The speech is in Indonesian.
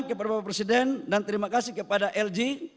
kepada bapak presiden dan terima kasih kepada lg